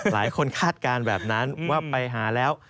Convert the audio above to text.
คาดการณ์แบบนั้นว่าไปหาแล้ว